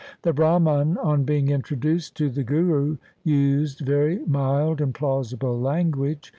The Brahman on being introduced to the Guru used very mild and plausible language.